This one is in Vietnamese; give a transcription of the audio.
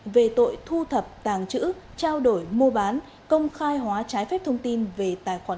về tội thu thập tàng chữ trao đổi mua bán công khai hóa trái phép thông tin về tài khoản